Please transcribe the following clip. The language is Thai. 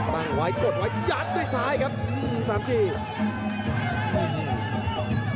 บ้านไหวกดไหวยัดในซ้ายครับสามจีน